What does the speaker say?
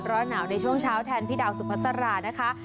ร้อนหนาวในช่วงเช้าแทนพี่ดาวสุภาษารานะคะ